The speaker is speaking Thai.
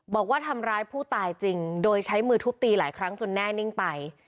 บอกว่าทำร้ายผู้ตายจริงโดยใช้มือทุบตีหลายครั้งจนแน่นิ่งไป